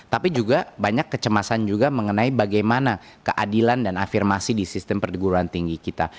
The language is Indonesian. tapi juga banyak kecemasan juga mengenai bagaimana keadilan dan afirmasi di sistem perguruan tinggi kita